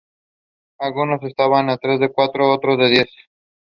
The question of colours is also being considered.